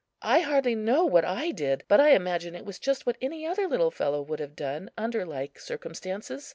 I hardly know what I did, but I imagine it was just what any other little fellow would have done under like circumstances.